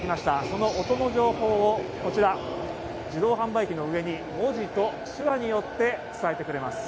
その音の情報をこちら、自動販売機の上に文字と手話によって伝えてくれます。